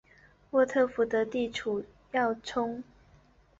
沃特福德地处要冲。